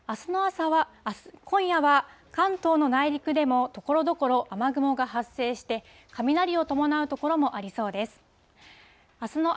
今夜は関東の内陸でもところどころ雨雲が発生して、雷を伴う所もありそうです。